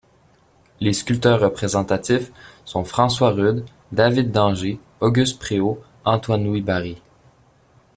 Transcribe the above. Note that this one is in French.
Les sculpteurs représentatifs, sont François Rude, David d'Angers, Auguste Préault, Antoine-Louis Barye.